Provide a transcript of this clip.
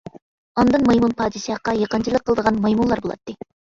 ئاندىن مايمۇن پادىشاھقا يېقىنچىلىق قىلىدىغان مايمۇنلار بولاتتى.